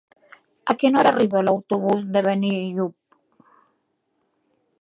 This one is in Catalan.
A quina hora arriba l'autobús de Benillup?